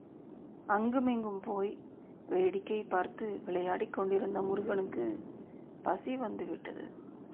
அங்குமிங்கும் போய் வேடிக்கை பார்த்து விளையாடிக்கொண்டிருந்த முருகனுக்கு, பசி வந்து விட்டது.